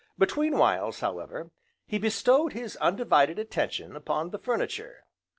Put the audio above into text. Between whiles, however, he bestowed his undivided attention upon the furniture.